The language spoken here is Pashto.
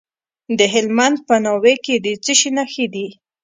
د هلمند په ناوې کې د څه شي نښې دي؟